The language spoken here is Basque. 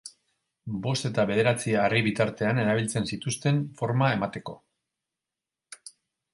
Bost eta bederatzi harri bitartean erabiltzen zituzten forma emateko.